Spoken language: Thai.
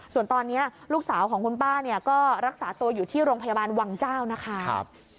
ส่วนตอนนี้ลูกสาวของคุณป้าเนี่ยก็รักษาตัวอยู่ที่โรงพยาบาลวังเจ้านะคะ